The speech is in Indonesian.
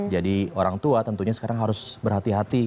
jadi orang tua tentunya sekarang harus berhati hati